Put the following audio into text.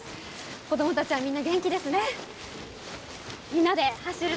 子どもたちはみんな元気ですね。